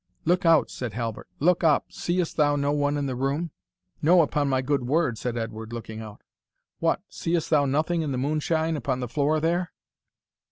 "Look out," said Halbert, "look up! seest thou no one in the room?" "No, upon my good word," said Edward, looking out. "What! seest thou nothing in the moonshine upon the floor there?"